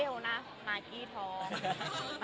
อเรนนี่ปุ๊ปอเรนนี่ปุ๊ป